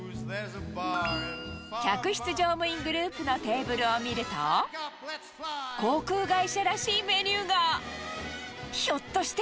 客室乗務員グループのテーブルを見ると、航空会社らしいメニューが。